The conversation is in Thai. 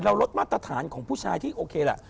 ลดมาตรฐานของผู้ชายที่โอเคแหละ